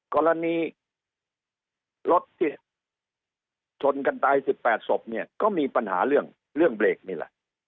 กรณีรถที่ชนกันตาย๑๘ศพเนี่ยก็มีปัญหาเรื่องเบรกนี่แหละ